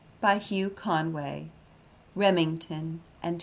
By Hugh Conway. (Remington and Co.)